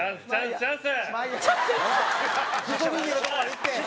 チャンス！